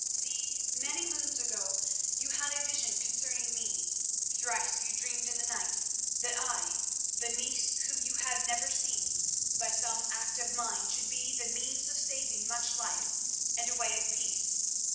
See, many moons ago, you had a vision concerning me. Thrice you dreamed in the night that I, the niece whom you had never seen, by some act of mine should be the means of saving much life and a way of peace.